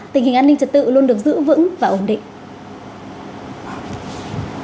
tình hình an ninh trật tự luôn được giữ vững và ổn định